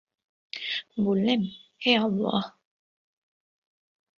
বললেন, হে আল্লাহ!